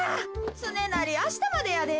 つねなりあしたまでやで。